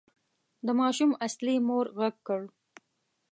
د ماشوم اصلي مور غږ کړ.